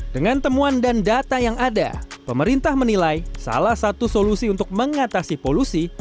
dengan temuan dan data yang ada pemerintah menilai salah satu solusi untuk mengatasi polusi